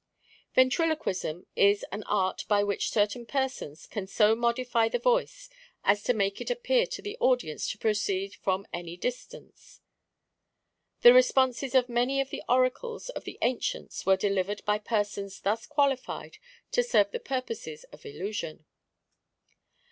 "Ventriloquism is an art by which certain persons can so modify the voice as to make it appear to the audience to proceed from any distance. The responses of many of the oracles of the Ancients were delivered by persons thus qualified to serve the purposes of illusion.